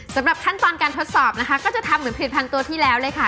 สำหรับขั้นตอนการทดสอบนะคะก็จะทำเหมือนผลิตภัณฑ์ตัวที่แล้วเลยค่ะ